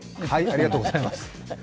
ありがとうございます。